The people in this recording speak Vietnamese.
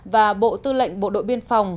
và bộ tư lệnh bộ đội biên phòng